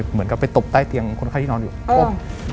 เหมือนกับไปตบใต้เตียงคนไข้ที่นอนอยู่ก้ม